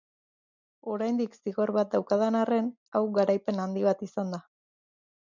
Oraindik zigor bat daukadan arren, hau garaipen handi bat izan da.